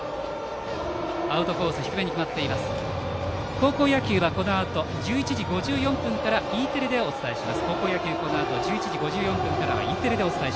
高校野球はこのあと１１時５４分からＥテレでお伝えします。